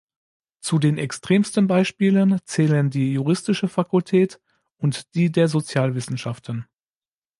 Zu den extremsten Beispielen zählen die juristische Fakultät und die der Sozialwissenschaften.